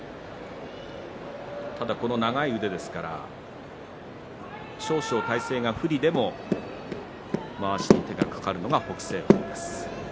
長い腕ですから少々、体勢が不利でもまわしに手がかかるのが北青鵬です。